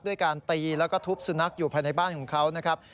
การตีแล้วก็ทุบสุนัขอยู่ภายในบ้านของเขานะครับ